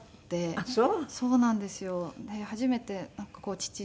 あっそう。